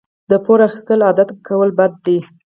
د پور اخیستل عادت کول بد دي.